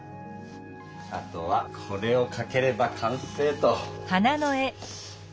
あとはこれをかければ完成と。